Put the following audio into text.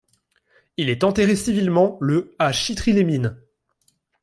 Il est enterré civilement le à Chitry-les-Mines.